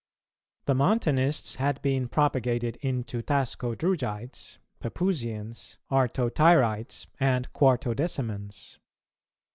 The Montanists had been propagated into Tascodrugites, Pepuzians, Artotyrites, and Quartodecimans.